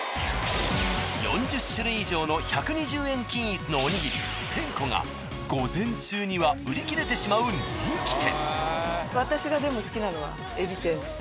４０種類以上の１２０円均一のおにぎり１，０００個が午前中には売り切れてしまう人気店。